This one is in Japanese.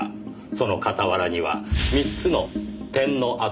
その傍らには３つの点の跡が。